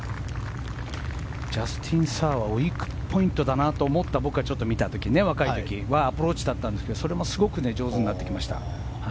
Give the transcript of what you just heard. ジャスティン・サーはウィークポイントだなと思った僕はちょっと見た時若い時はアプローチだったんですがそれもすごく上手になってきました。